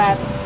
rất là nhiều